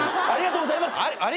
ありがとうございます。